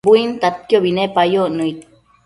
buintadquiobi nepac nëid